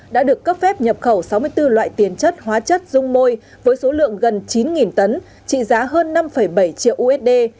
đã được cấp phép nhập khẩu sáu mươi bốn loại tiền chất hóa chất dung môi với số lượng gần chín tấn trị giá hơn năm bảy triệu usd